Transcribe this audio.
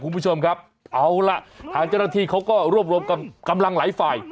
คุณผู้ชมครับเอาล่ะทางเจ้าหน้าที่เขาก็รวบรวมกำลังหลายฝ่าย